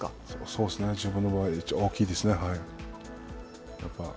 そうですね、自分の場合大きいですね。